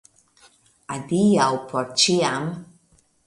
Adiaŭ por ĉiam!